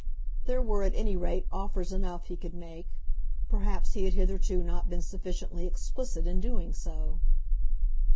There were at any rate offers enough he could make; perhaps he had hitherto not been sufficiently explicit in doing so.